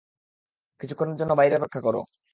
কিছুক্ষণের জন্য বাইরে অপেক্ষা করো।